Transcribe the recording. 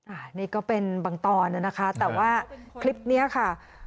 อันนี้ก็เป็นบางตอนนะคะแต่ว่าคลิปนี้ค่ะ